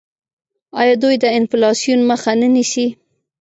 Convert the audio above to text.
آیا دوی د انفلاسیون مخه نه نیسي؟